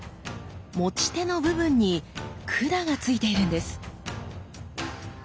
持ち手の部分に管がついているんです！